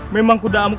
memang kuda amuk